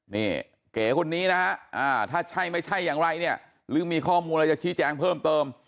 นี่เก๋คนนี้นะฮะถ้าใช่ไม่ใช่อย่างไรเนี่ยหรือมีข้อมูลอะไรจะชี้แจงเพิ่มเติม